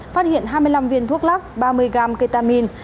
phát hiện hai mươi năm viên thuốc lắc ba mươi gram ketamin